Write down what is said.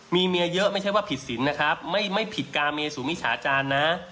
มีเมียเยอะไม่ใช่ว่าผิดสินนะครับไม่ผิดกาเมสุมิจฉาจารย์นะ